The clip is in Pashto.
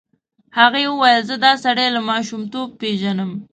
هغې وویل زه دا سړی له ماشومتوبه پېژنم.